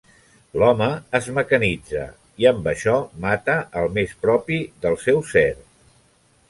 L'home es mecanitza, i amb això mata el més propi del seu ser.